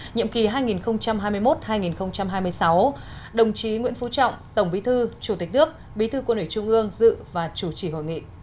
nhiệm kỳ hai nghìn hai mươi một hai nghìn hai mươi sáu đồng chí nguyễn phú trọng tổng bí thư chủ tịch nước bí thư quân ủy trung ương dự và chủ trì hội nghị